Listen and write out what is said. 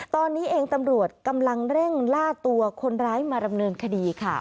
ตอนนี้เองตำรวจกำลังเร่งล่าตัวคนร้ายมาดำเนินคดีค่ะ